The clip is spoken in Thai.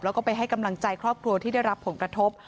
แล้วก็ไปให้กำลังใจครอบครัวที่ได้รับผลกระทบ